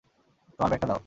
তোমার ব্যাগটা দাও।